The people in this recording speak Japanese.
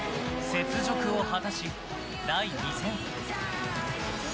雪辱を果たし、第２戦。